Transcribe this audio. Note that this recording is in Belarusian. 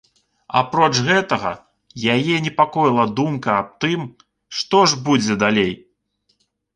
Апроч гэтага, яе непакоіла думка аб тым, што ж будзе далей.